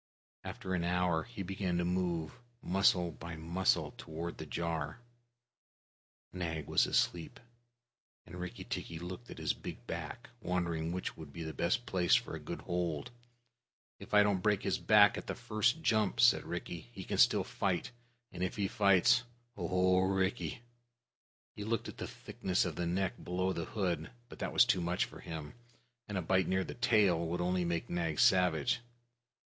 After an hour he began to move, muscle by muscle, toward the jar. Nag was asleep, and Rikki tikki looked at his big back, wondering which would be the best place for a good hold. "If I don't break his back at the first jump," said Rikki, "he can still fight. And if he fights O Rikki!" He looked at the thickness of the neck below the hood, but that was too much for him; and a bite near the tail would only make Nag savage.